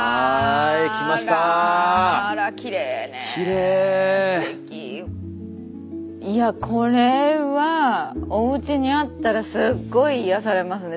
いやこれはおうちにあったらすっごい癒やされますね。